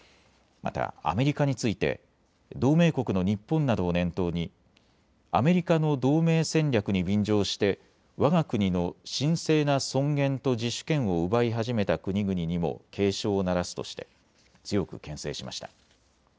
またアメリカについて同盟国の日本などを念頭にアメリカの同盟戦略に便乗してわが国の神聖な尊厳と自主権を奪い始めた国々にも警鐘を鳴らすとして強くけん制しました。